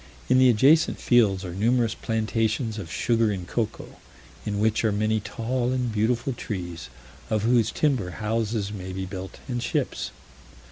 In the adjacent fields are numerous plantations of sugar and cocoa, in which are many tall and beautiful trees, of whose timber houses may be built, and ships.